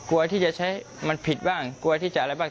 กลัวที่จะใช้มันผิดบ้างกลัวที่จะอะไรบ้าง